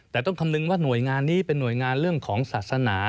แต่ต้องคำนึงว่าหน่วยงานนี้เป็นหน่วยงานเรื่องของศาสนา